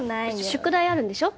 宿題あるんでしょ？